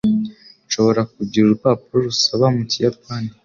Nshobora kugira urupapuro rusaba mu kiyapani?